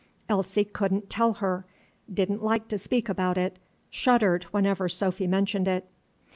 Elsie could n't tell her, did n't like to speak about it, shuddered whenever Sophy mentioned it.